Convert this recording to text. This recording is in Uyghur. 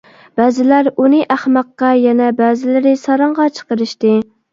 بەزىلەر ئۇنى ئەخمەققە، يەنە بەزىلىرى ساراڭغا چىقىرىشتى.